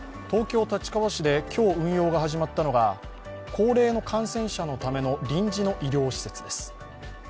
東京・立川市で今日運用が始まったのが高齢の感染者のための臨時の医療施設です。